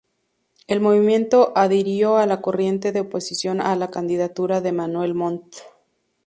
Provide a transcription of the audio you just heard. El movimiento adhirió a la corriente de oposición a la candidatura de Manuel Montt.